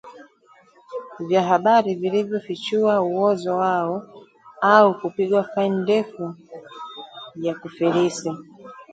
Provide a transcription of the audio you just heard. vya habari vilivyofichua uozo wao au kupigwa faini ndefu ya kufilisi